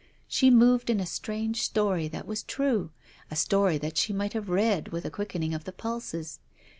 She moved in a strange story that was true, a story that she might have read with a quickening of the pulses.